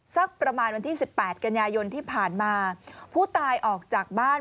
สักประมาณวันที่สิบแปดกันยายนที่ผ่านมาผู้ตายออกจากบ้าน